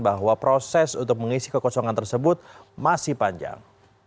bahwa proses untuk mengisi kekosongan tersebut masih panjang